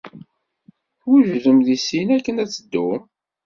Twejdem deg sin akken ad teddum?